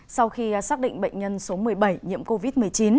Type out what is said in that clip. sau khi xác định bệnh nhân số một mươi bảy nhiễm covid một mươi chín